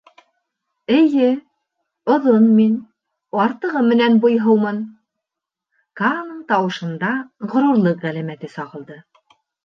— Эйе, оҙон мин, артығы менән буйһыумын, — Кааның тауышында ғорурлыҡ ғәләмәте сағылды.